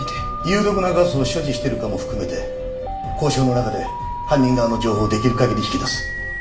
有毒なガスを所持してるかも含めて交渉の中で犯人側の情報をできる限り引き出す。